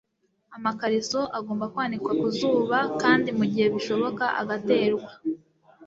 amakariso agomba kwanikwa ku zuba kandi mu gihe bishoboka agaterwa